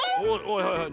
はいはい。